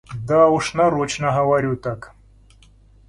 Да уж нарочно говорю так.